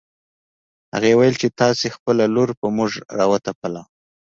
هغې ويل چې تاسو خپله لور په موږ راوتپله